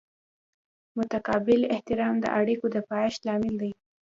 متقابل احترام د اړیکو د پایښت لامل دی.